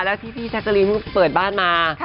แล้วที่พี่แซกอลีมเปิดบ้านมา